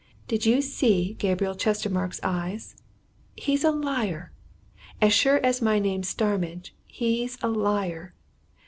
"Did you see Gabriel Chestermarke's eyes? He's a liar! As sure as my name's Starmidge, he's a liar!